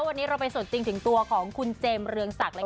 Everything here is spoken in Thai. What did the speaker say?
วันนี้เราไปสดจริงถึงตัวของคุณเจมส์เรืองศักดิ์เลยค่ะ